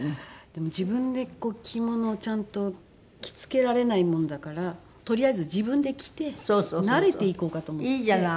でも自分で着物をちゃんと着付けられないもんだからとりあえず自分で着て慣れていこうかと思って。